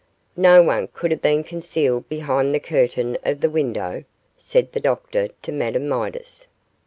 'No one could have been concealed behind the curtain of the window?' said the doctor to Madame Midas.